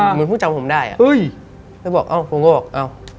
เหมือนเพิ่งจำผมได้อ่ะแล้วบอกเอ้าผมก็บอกเอ้า